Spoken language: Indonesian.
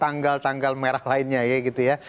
tanggal tanggal merah lainnya ya gitu ya